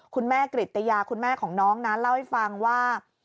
คุณแม่กริตตะยาคุณแม่ของน้องนั้นเล่าให้ฟังว่า